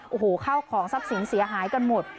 โอ้โหข้าวของทรัพย์สินเสียหายกันหมด